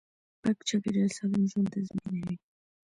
پاک چاپیریال سالم ژوند تضمینوي